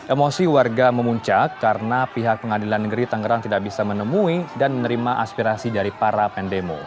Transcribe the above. emosi warga memuncak karena pihak pengadilan negeri tangerang tidak bisa menemui dan menerima aspirasi dari para pendemo